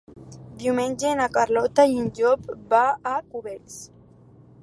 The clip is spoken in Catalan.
Diumenge na Carlota i en Llop van a Cubells.